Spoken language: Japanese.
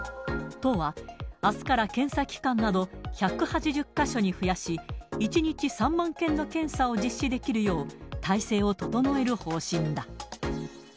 都は、あすから検査機関など１８０か所に増やし、１日３万件の検査を実施できるよう、体制を整える方針だ。